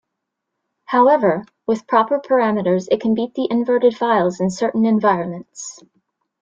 However, with proper parameters it can beat the inverted files in certain environments.